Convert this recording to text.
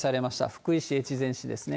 福井市、越前市ですね。